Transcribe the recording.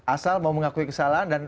asal mau mengakui kesalahan dan